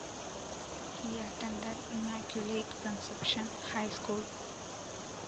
He attended Immaculate Conception High School.